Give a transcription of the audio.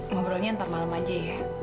ngobrolnya ntar malam aja ya